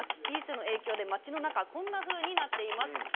ビーセの影響で町の中はこんなふうになっています。